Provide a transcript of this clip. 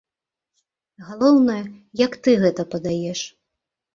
Галоўнае, як ты гэта падаеш.